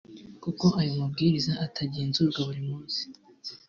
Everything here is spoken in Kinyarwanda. kuko ayo mabwiriza atagenzurwaga buri munsi